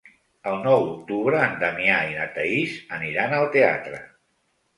El nou d'octubre en Damià i na Thaís aniran al teatre.